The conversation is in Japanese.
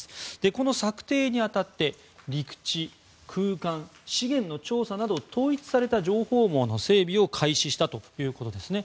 この策定に当たって陸地、空間、資源の調査など統一された情報網の整備を開始したということですね。